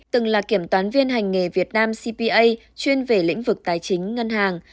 từng là kiểm toán viên hành nghề việt nam cpa chuyên về lĩnh vực tài chính ngân hàng